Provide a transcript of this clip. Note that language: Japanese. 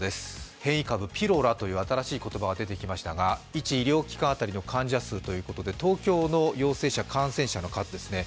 変異株ピロラという新しい言葉が出てきましたが、１医療機関当たりの東京の感染者の数です。